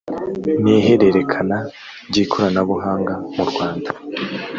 n ihererekana ry ikoranabuhanga murwanda